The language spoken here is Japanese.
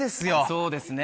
そうですね。